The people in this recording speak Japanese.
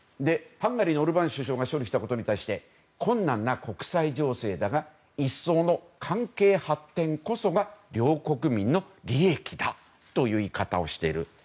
ハンガリーのオルバーン首相が勝利したことに対して困難な国際情勢だが一層の関係発展こそが両国民の利益だという言い方をしている。